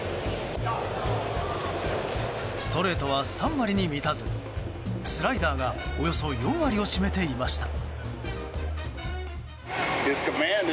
ストレートは３割に満たずスライダーがおよそ４割を占めていました。